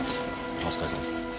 ああお疲れさまです。